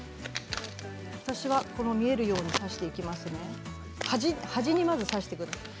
私は見えるように挿していきますので端にまず挿してください。